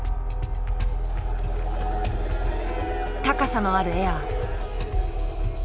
高さのあるエア。